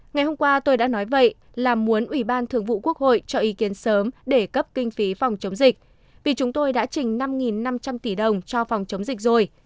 ngày hôm qua tôi đã nói vậy là muốn ủy ban thường vụ quốc hội cho ý kiến sớm để cấp kinh phí phòng chống dịch vì chúng tôi đã trình năm năm trăm linh tỷ đồng cho phòng chống dịch rồi